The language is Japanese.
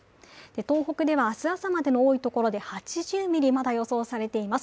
東北では明日朝までの多いところで８０ミリ、まだ予想されています。